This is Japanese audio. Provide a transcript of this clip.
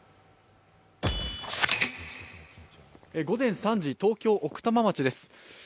午前３時東京・奥多摩町です。